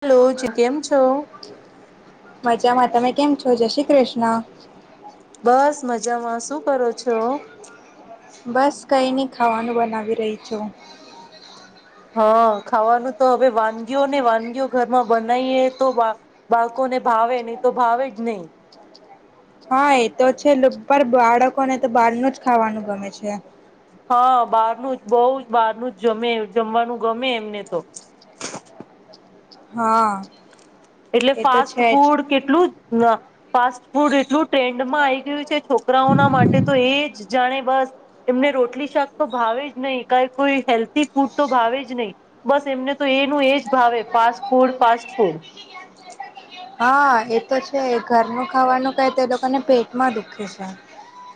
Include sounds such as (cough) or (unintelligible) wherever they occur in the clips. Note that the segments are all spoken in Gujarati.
હલો જી કેમ છો? મજામાં તમે કેમ છો જય શ્રી કૃષ્ણ બસ મજામાં શું કરો છો? બસ કંઈ ની ખાવાનું બનાવી રહી છું. હા ખાવાનું તો હવે વાનગીઓ ને વાનગીઓ ઘરમાં બનાવીએ તો બાળકોને ભાવે નહી તો ભાવે જ નહીિ હા એ તો છેર બાળકોને તો બહારનું જ ખાવાનું ગમે છે હા બહારનું જ બહ જ બહારનું જ જમે જમવાનું ગમે એમને તો હા એટલે એ તો ફાસ્ટ છે જ ફૂડ કેટલું ફાસ્ટ ફૂડ એટલું ટ્રેન્ડમાં આ આવી ગયું છે છોકરાઓના માટે તો એ જ જાણે બસ એમને રોટલી શાક તો ભાવે જ નહીં ક કોઈ હેલ્થી ફૂડ તો ભાવે જ નહીિ બસ એમને તો એનું એ જ ભાવે ફાસ્ટ ફૂડ ફાસ્ટ ફૂડ હા એ તો છે ઘરનું ખાવાનું ક તે લોકોને પેટ માં દુખે છે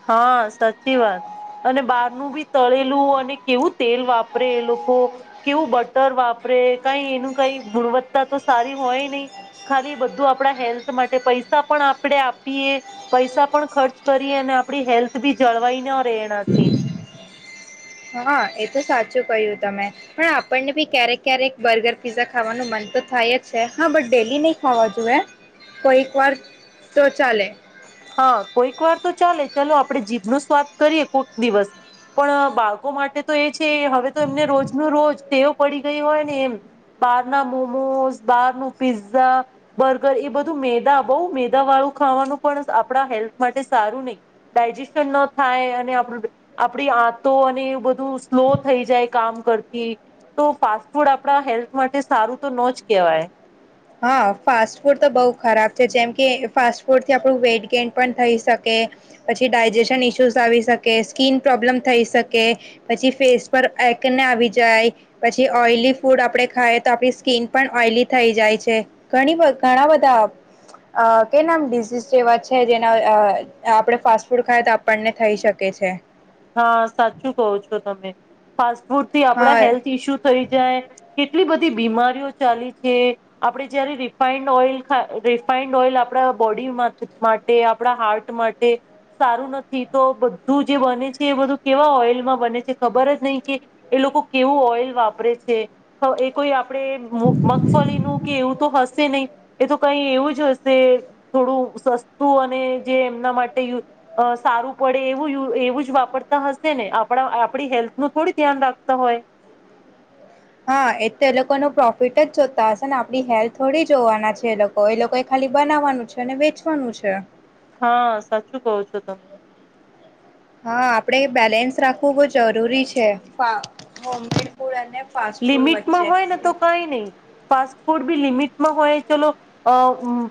હા સાચી વાત અને બારનું બી તળેલું અને કેવું તેલ વાપરે એ લોકો કેવું બટર વાપરે કઈ એનું કઈ ગુણવત્તા તો સારી હોય નહી ખાલી બધું આપણા હેલ્થ માટે પૈસા પણ આપણેે આપીએ પૈસા પણ ખર્ચ કરીએ અને આપડી હેલ્થ બી જળવાઈ ન રહેેનાથી હા એ તો સાચું કહ્યું તમે પણ આપણને ભી ક્યારેક ક્યારેક બર્ગર પીઝા ખાવાનું મન તો થાય જ છે હા બટ ડેલી નહી ખાવા જોુએ કોઈક વાર તો ચાલે હા કોઈક વાર તો ચાલે ચાલ આપડે જીભ ન સ્વાદ કરીએ કોઈક દિવસ પણ બાળકો માટે તો એ છે હવે તો એમને રોજ ન રોજ તેવ પડી ગઈ હોય ને એમ બહાર ના મોમોસ બાર ન પીઝઝા બર્ગર એ બધું મેદા બહુ મેદા વાળું ખાવાનું પણ આપણા હેલ્થ માટે સારું નહી ડાયજેશન ન થાય અને આપડી આતો અને એ બધું સ્લો થઈ જાય કામ કરતી તો ફાસ્ટ ફૂડ આપણા હેલ્થ માટે સારું તો ન જ કહેવાય હા ફાસ્ટ ફૂડ તો બહુ ખરાબ છે જેમ કે ફાસ્ટ ફૂડથી આપણું વેઇટ ગેન પણ થઈ શકે પછી ડાયજેશન ઇશ્યુઝ આવી શકે સ્કીિન પ્રોબ્લેમ થઈ શકે પછી ફેસ પર એકને આવી જાય પછી ઓઈલી ફૂડ આપણે ખાય તો આપણી સ્કીિન પણ ઓઈલી થઈ જાય છે ણી ઘણા બધા કે નામ ડડીઝઝ જેવા છે જેના આપણે ફાસ્ટ ફૂડ ખાય તો આપણને થઈ શકે છે હા સાચું કો છો તમે પાસ ફૂરતી આપડા હા હેલ્થ ઇસ્યુ થઈ જાય કેટલી બધી બીમારીઓ ચાલી છે આપડણે જયારે રિફાઈન્ડ ઓઇલા રિફાાઈન્ડ ઓઇલ આપડા બોડી માટે આપણા હાર્ટ માટે સારું નથી તો બધું જે બને છે એ બધું કેવા ઓઇલમાં બને છે ખબર જ નહીં કે એ લોકો કેવું ઓઈલ વાપરે છે એ કોઈ આપણે મગફળીનુંું કે એવું તો હશે નહી એ તો કઈ એવું જ હશે થોડું સસ્તું અને જે એમના માટે સારું પડે એવું એવું જ વાપર હશે ને આપ આપડી હેલ્થ નું થોડું ધ્યાન રાખતા હોય હા એટ તો એ લોકો ન પ્રોફિટ જ જોતા હશે ને આપડી હેલ્થ થોડી જોવાના છે એ લોકો એ લોકો એ ખાલી બનાવવાનું છે અને વેચવાનું છે હા સાચું કહ છો તમે હા આપણે બેલેન્સ રાખવું બહુ જરૂરી છે હોમમેડ ફૂડ અને ફાસ્ટ ફૂડ લિમિટમાં વચ્ચે હોય ને તો કઈ નહી ફાસ્ટફોડ બી લિમિટ હોય ચાલ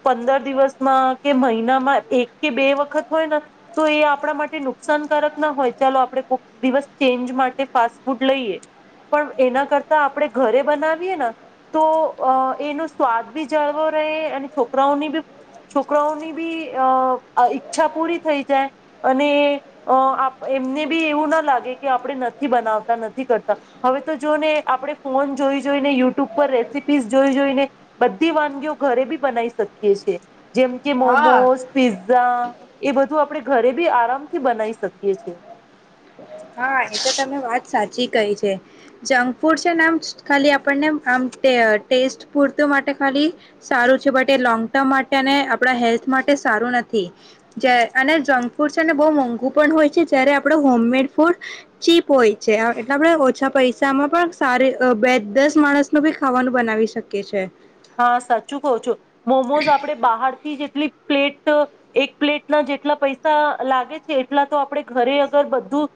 પંદર દિવસમાં કે મહિનામાં એક કે બે વખત હોય ને તો એ આપણા માટે નુકસાનકારક ના હોય ચાલો આપે કોક દિવસ ચેન્જ માટે ફાસ્ટ ફૂડ લઈએ પણ એના કરતા આપણે ઘરે બનાવીએ ને તો એનો સ્વાદ બી જળવો રહે અને છોકરાઓની બી છોકરાઓની બી અ ઈચ્છા પૂરી થઈ જાય અને એમને બી એવું ના લાગે કે આપણે નથી બનાવતા નથી કરતા હવે. જો ને આપણે ફોન જોઈ જોઈને યુટ્યુબ પર રેસીપીસ જોઈ જોઈને બધી વાનગીઓ ઘરે બી બનાવી શકીએ છે જેમકે હા મોમોઝ પિઝઝ એ બધું આપણે ઘરે બી આરામથી બનાવી શકીએ છે. હા એ તો તમે વાત સાચી કહી છે જંક ફૂડ છે નામ ખાલી પણનેમ આમ ટેસ્ટ પૂરતું માટે ખાલી સારું છે બટ એ લોંગ ટર્મ માટે અને આપણા હેલ્થ માટે સારું નથી જ અને જંક ફૂડ છે ને બહુ મોંઘું પણ હોય છે જ્યારે આપણું હોમમેડ ફૂડ ચીપ હોય છે એટલા આપણેે ઓછા પૈસામાં પણ સારી બે દસ માણસ ન બી ખાવાનું બનાવી શકીએ છ છે. હા સાચું કવ છો મોમોઝ આપે બહાર થી જેટલી પ્લેટ એક પ્લેટ ના જેટલા પૈસા લાગે છે એટલા તો આપણેે ઘરે અગર બધું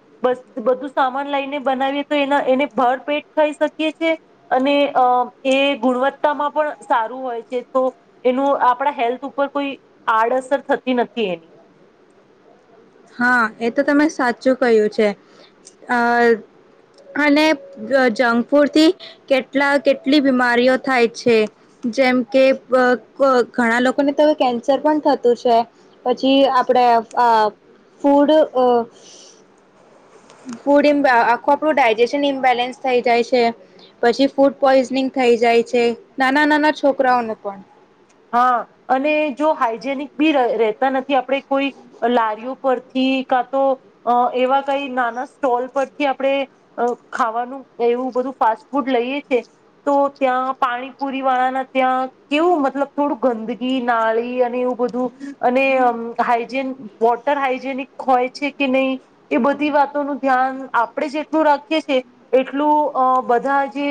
બધું સામાન લઈને બનાવીએ તો એના એને ભર પેટ ખાઈ શકીએ છે અને અ એ ગુણવત્તામાં સારું હોય છે તો એનું આપણા હેલ્થ ઉપર કોઈ આડઅસર થતી નથી એની. હા એ તો તમે સાચું કહ્યું છે અને જંક ફૂડથી કેટલા કેટલી બીમારીઓ થાય છે. જેમ કે ઘણા લોકોને તો હવે કેન્સર પણ થતું છે. પછી આપણે ફૂડ ફૂડ આખું આપણું ડાયજેશન ઇમ્બેલેન્સ થઈ જાય છે. પછી ફૂડ પોઈઝનિંગ થઈ જાય છે. નાના નાના છોકરાઓનું પણ હા અને જો હાઈજેનિક બી રહેતા નથી. આપણે કોઈ લારીઓ પરથી કા તો એવા કઈ નાના સ્ટોલ પરથી આપણે ખાવાનું એવું બધું ફાસ્ટ ફૂડ લઈએ છે. તો ત્યાં પાણીપુરી વાળાના ત્યાં કેવું મતલબ થોડું ગંદકીી નાળી અને એવું બધું અને અ હાઈજેન વોટર હાઈજેનિક હોય છે કે નહીં. એ બધી વાતોનું ધ્યાન આપણે જેટલું રાખીએ છે. એટલું અ બધા જે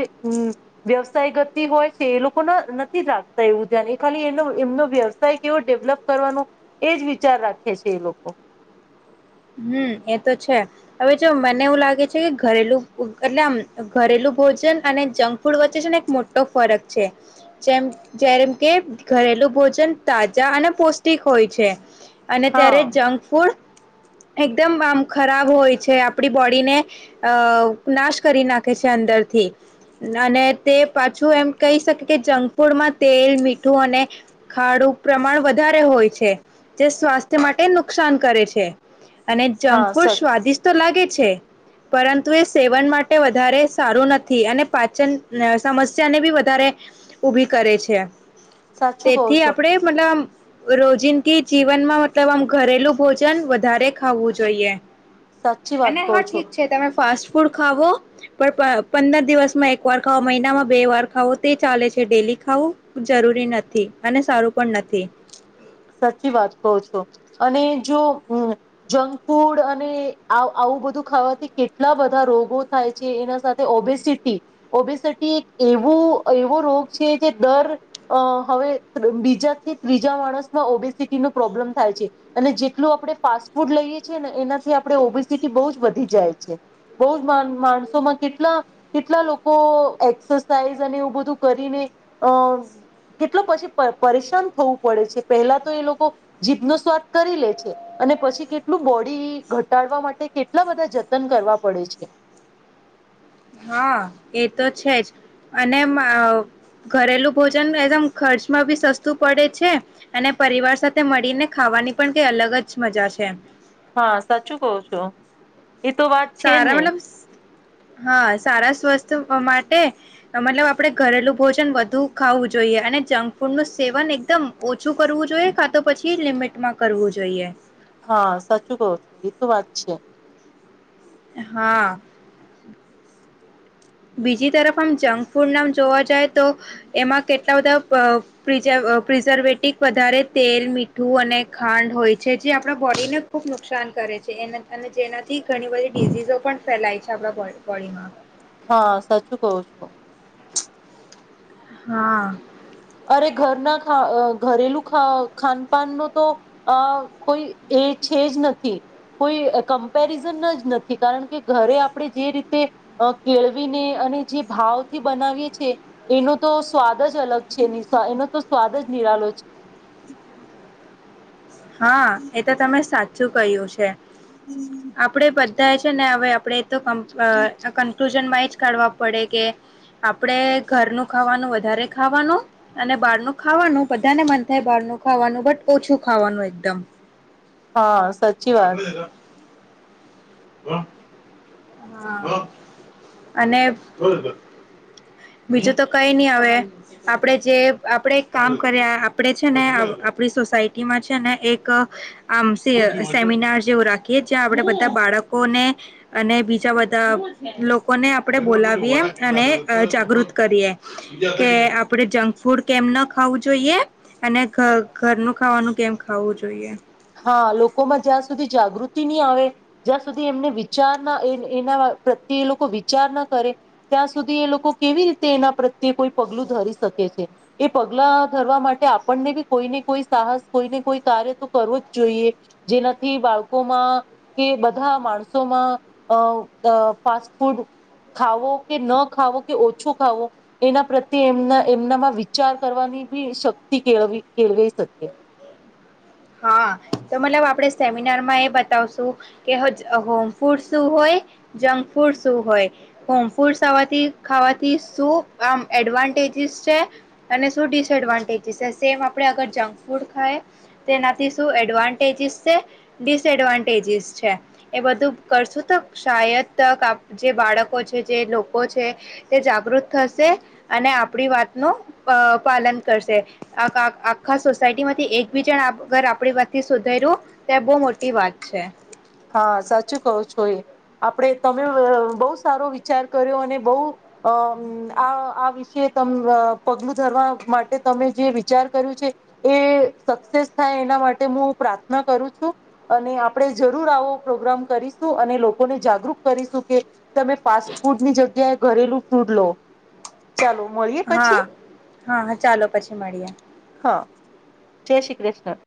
વ્યવસાય ગતિ હોય છે. એ લોકોના નથી રાખતા એવું ધ્યાન એ ખાલી એનો એમનો વ્યવસાય કેવો ડેવલપ કરવાનો એજ વિચાર રાખે છે એ લોકો. હમ એ તો છે. હવે જો મને એવું લાગે છે કે ઘરેલું એટલે આમ ઘરેલું ભોજન અને જંક ફૂડ વચ્ચે ને એક મોટો ફરક છે. જેમ જેમ કે ઘરેલુ ભોજન તાજા અને પૌષ્ટિક હોય છે. અને હા ત્યારે જંક ફૂડ એકદમ આમ ખરાબ હોય છે. આપડી બોડીને અ નાશ કરી નાખે છે અંદરથી અને તે પાછું એમ કહી શકે કે જંક ફૂડમાં તેલ મીઠું અને ખાડું પ્રમાણ વધારે હોય છે. જે સ્વાસ્થ્ય માટે નુકસાન કરે છે. અને હા જંક સ ફૂડ સ્વાદિષ્ટતો લાગે પરંતુ એ સેવન માટે વધારે સારું નથી અને પાચન સમસ્યાને બી વધારે ઉભી કરે છે. સાચું કહો તેથી છો આપડે મતલબ રોજિંદગી જીવનમાં મતલબ આમ ઘરેલું ભોજન વધારે ખાવું જોઈએ. સાચી વાત અને કહો હા છો ઠીક છે. તમે ફાસ્ટ ફૂડ ખાવો પણ પંદર દિવસમાં એક વાર ખાવો મહિનામાં બે વાર ખાવો તે ચાલે છે. ડેલી ખાવું જરૂરી નથી અને સારું પણ નથી. સાચી હમ જંક ફૂડ અને આવું બધું ખાવાથી કેટલા બધા રોગો થાય છે. એના સાથે ઓબેસિટી ઓબેસિટી એક એવો એવો રોગ છે જે દર હવે બીજાથી ત્રીજા માણસ ઓબેસિટી ન પ્રોબ્લેમ થાય છે અને જેટલું આપણે ફાસ્ટ ફૂડ લઈએ છીએ ને એનાથી આપણે ઓબેસિટી બહુ જ વધી જાય છે બહુ જ માણસોમાં કેટલા કેટલા લોકો એક્સરસાઇઝ અને એવું બધું કરીને અ કેટલો પછી પરેશાન થવું પડે છે. પહેલા તો એ લોકો જીભનો સ્વાદ કરી લે છે અને પછી કેટલું બોડી ઘટાડવા માટે કેટલા બધા જતન કરવા પડે છે. હા એ તો છે જ અને ઘરેલું ભોજન એકદમ ખર્ચમાં બી સસ્તું પડે છે અને પરિવાર સાથે મળીને ખાવાની પણ કઈ અલગ જ મજા છે. હા સાચું કવો છો. એ તો વાત છે સારા ને. મતલબ હા સારા સ્વસ્થ માટે મતલબ આપણે ઘરેલું ભોજન વધુ ખાવું જોઈએ અને જંક ફૂડનું સેવન એકદમ ઓછું કરવું જોઈએ કા તો પછી લિમિટમાં કરવું જોઇએ. હા સાચું કહો છો એ તો વાત છે. હા. બીજી તરફ આમ જંક ફૂડ નામ જોવા જાય તો એમાં કેટલા બધા પ્રિઝર્વેટિવ વધારે તેલ, મીઠું અને ખાંડ હોય છે. જે આપણા બોડીને ખુબ નુકસાન કરે છે અને જેનાથી ઘણી બધી ડીઝઝો પણ ફેલાય છે આપ બોડીમાં. હા સાચું કવો છો. હા. અરે ઘરના ખા ઘરેલું ખાનપાન ન તો અ કોઈ એ છે જ નથી. કોઈ કમ્પેરિઝન જ નથી કારણ કે ઘરે આપણે જે રીતે કેળવીને અને જે ભાવથી બનાવીએ છીએ એનો તો સ્વાદ જ અલગ છે એનો તો સ્વાદ જ નિરાલો છે. (inaudible) હા એતો તમે સાચ શું ક્યું છે? આપણેે થયા છે ને હવે અપડે તો ક જનમાં જ કાઢવા પડે કે આપણે ઘરનું ખાવાનું વધારે ખાવાનું અને બહારનું ખાવાનું બધાને મન થાય બહારનું ખાવાનું બટ ઓછું ખાવાનું હોય. (unintelligible) હા સાચી વાત. (inaudible) અને બીજું તો કઈ નહી હવે આપડે જે આપણેે એક કામ કર્યા આપે છે ને આપણી સોસાયટીમાં છે ને એક આમ સેમિનાર જેવું રાખીએ જ્યાં આપણેે બધા બાળકોને અને બીજા બધા લોકોને આપણેે બોલાવીએ અને જાગૃત કરીએ કે આપડે જંક ફૂડ કેમ ના ખાવું જોઈએ અને ઘરનું ખાવાનું કેમ ખું જોઈએ હા લોકોમાં જ્યાં સુધી જાગૃતિ નહી આવે જ્યાં સુધી એમને વિચાર ના એ એના પ્રત્યે એ લોકો વિચાર ના કરે ત્યાં સુધી એ લોકો કેવી રીતે એના પ્રત્યે કોઈ પગલું ધરી શકે છે એ પગલા ધરવા માટે આપણને બી કોઈને કોઈ સાહસ કોઈને કોઈ કાર્ય તો કરવો જ જોઈએ જેનાથી બાળકોમાં કે બધા માણસોમાં ફાસ્ટ ફૂડ ખાવો કે ન ખાવો કે ઓછો ખાવો એના પ્રત્યે એમના એમનામાં વિચાર કરવાની બી શક્તિ કેળવી કેળવાઈ શકીએ. હા તો મતલબ આપણે સેમિનારમાં એ બતાવશું કે હોમ ફૂડ શું હોય જંક ફૂડ શું હોય હોમ ફૂડવાથી ખાવાથી શું આમ એડવાન્ટેજીસ છે અને શું ડિસએડવાન્ટેજીસ છે સેમ આપણે અગર જંક ફૂડ ખાય. તેનાથી શું એડવાન્ટેજીિસ છે ડિસએડવાન્ટેજીસ છે એ બધું કરશું તો શાયદ તક જે બાળકો છે જે લોકો છે તે જાગૃત થશે અને આપણી વાતનું પાલન કરશે આ આખા સોસાયટીમાંથી એક બીજણ આપ વગર આપડી વાથી સુધર્યું ત્યા બહુ મોટી વાત છે. હા સાચું કહું છો એ આપણે તમે બહુ સારો વિચાર કર્યો અને બહ અ આ આ વિશે ત પગલું ધરવા માટે તમે જે વિચાર કર્યું છે એ સક્સેસ થાય એના માટે હું પ્રાર્થના કરું છું અને આપણે જરૂર આવો પ્રોગ્રામ કરીશું અને લોકોને જાગૃત કરીશું કે તમે ફાસ્ટ ફૂડ ની જગ્યાએ ઘરેલું ફૂડ લો ચાલો મળીએ હા પછી હા હા ચાલો પછી મળીએ હા જય શ્રી કૃષ્ણ.